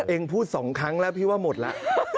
เองพูด๒ครั้งแล้วพี่ว่าหมดแล้ว